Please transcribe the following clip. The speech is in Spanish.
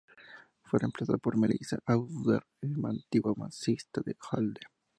Fue reemplazada por Melissa Auf der Maur, antigua bajista de Hole.